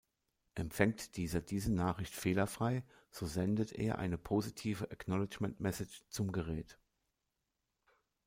Empfängt dieser diese Nachricht fehlerfrei, so sendet er eine positive Acknowledgement-Message zum Gerät.